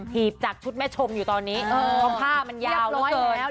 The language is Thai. ผีจากชุดแม่ชมตอนนี้ท่องผ้ามันยาวเกิน